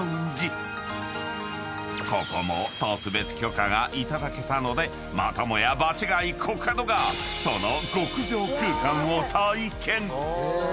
［ここも特別許可が頂けたのでまたもや場違いコカドがその］